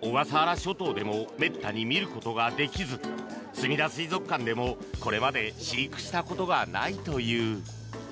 小笠原諸島でもめったに見ることができずすみだ水族館でも、これまで飼育したことがないという。